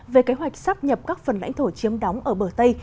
về kế hoạch sắp nhập các phần lãnh thổ chiếm đóng ở bờ tây